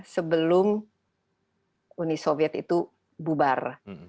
sebelum uni soviet itu bubar